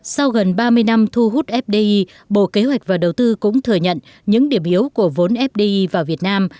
sau gần ba mươi năm thu hút fdi bộ kế hoạch và đầu tư cũng thừa nhận những điểm yếu của vốn fdi vào việt nam